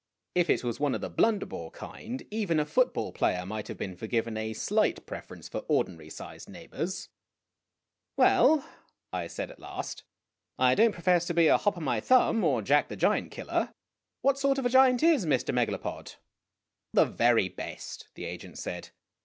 If it was one of the . Blunderbore kind, even a foot ball player might have been forgiven a slight preference for ordinary sized neighbors. GOOD NEIGHBORS 191 "Well," I said at last, "I don't profess to be a ' Hop o' my Thumb,' or 'Jack the Giant killer.' What sort of a giant is Mr. Megalopod ?"" The very best !" the agent said.